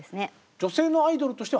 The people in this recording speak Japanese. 女性のアイドルとしては初めて？